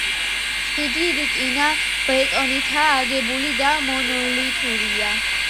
ხიდი რკინა-ბეტონითაა აგებული და მონოლითურია.